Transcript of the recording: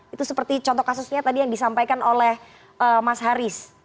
itu seperti contoh kasusnya tadi yang disampaikan oleh mas haris